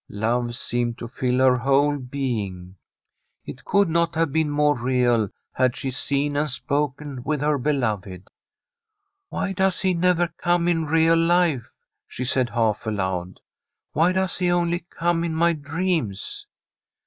Love seemed to fill her whole being. It could not have been more real had she seen and spoken with her beloved. ' Why does he never come in real life ?' she said, half aloud. ' Why does he only come in my dreams?